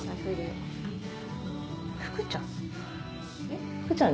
福ちゃん？